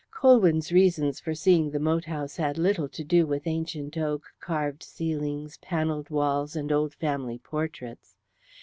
Colwyn's reasons for seeing the moat house had little to do with ancient oak, carved ceilings, panelled walls, and old family portraits.